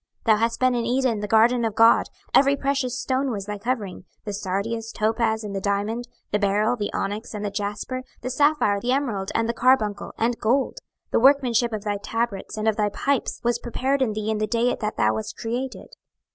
26:028:013 Thou hast been in Eden the garden of God; every precious stone was thy covering, the sardius, topaz, and the diamond, the beryl, the onyx, and the jasper, the sapphire, the emerald, and the carbuncle, and gold: the workmanship of thy tabrets and of thy pipes was prepared in thee in the day that thou wast created.